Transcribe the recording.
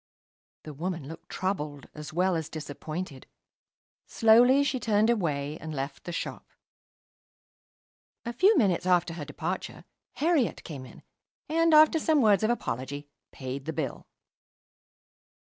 The woman looked troubled as well as disappointed. Slowly she turned away and left the shop. A few minutes after her departure, Herriot came in, and, after some words of apology, paid the bill.